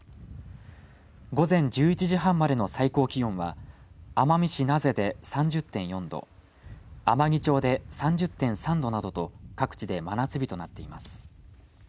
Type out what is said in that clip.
午前１１時半までの最高気温は奄美市名瀬で３０．４度天城町で３０．３度などと各地で真夏日となっています。